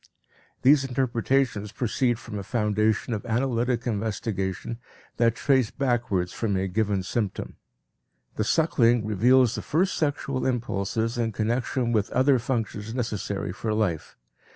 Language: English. These interpretations proceed from a foundation of analytic investigation that trace backwards from a given symptom. The suckling reveals the first sexual impulses in connection with other functions necessary for life.